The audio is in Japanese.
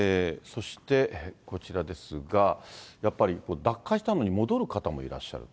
そしてこちらですが、やっぱり脱会したのに戻る方もいらっしゃる。